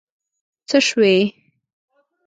څه شوي.